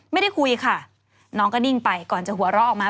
ไม่ได้คุยค่ะน้องก็นิ่งไปก่อนจะหัวเราะออกมา